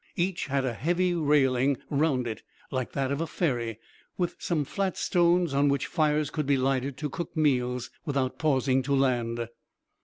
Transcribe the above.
Each had a heavy railing round it like that of a ferry, with some flat stones on which fires could be lighted to cook meals without pausing to land.